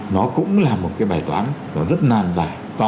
nó cũng là một cái bài toán nó rất nan giải